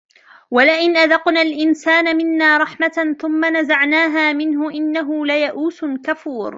وَلَئِنْ أَذَقْنَا الْإِنْسَانَ مِنَّا رَحْمَةً ثُمَّ نَزَعْنَاهَا مِنْهُ إِنَّهُ لَيَئُوسٌ كَفُورٌ